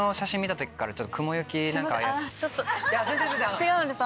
違うんです